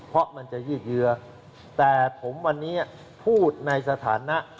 เพราะมันจะยืดเยื้อแต่ผมวันนี้พูดในสถานะ